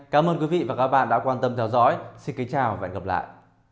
cảm ơn quý vị và các bạn đã quan tâm theo dõi xin kính chào và hẹn gặp lại